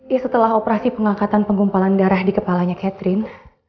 ya setelah operasi pengangkatan penggumpalan darah di kepalanya catherine